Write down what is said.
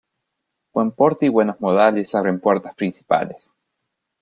Buen porte y buenos modales abren puertas principales.